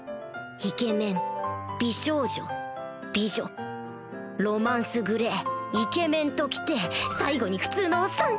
イケメン美少女美女ロマンスグレーイケメンと来て最後に普通のおっさん！